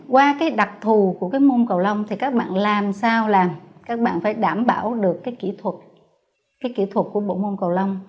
qua cái đặc thù của cái môn cầu lông thì các bạn làm sao là các bạn phải đảm bảo được cái kỹ thuật cái kỹ thuật của bộ môn cầu lông